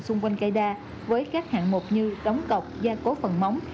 xung quanh cây đa với các hạng mục như đóng cọc gia cố phần móng